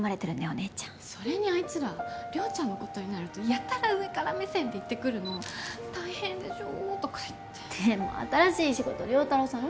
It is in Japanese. お姉ちゃんそれにあいつら亮ちゃんのことになるとやたら上から目線で言ってくるの大変でしょとか言ってでも新しい仕事亮太郎さん